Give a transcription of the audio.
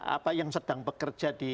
apa yang sedang bekerja di